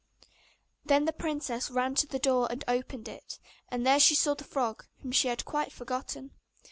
Then the princess ran to the door and opened it, and there she saw the frog, whom she had quite forgotten.